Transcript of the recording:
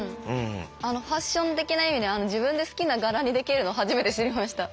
ファッション的な意味で自分で好きな柄にできるの初めて知りました。